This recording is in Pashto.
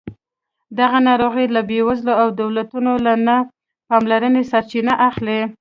دغه ناروغۍ له بېوزلۍ او دولتونو له نه پاملرنې سرچینه اخلي.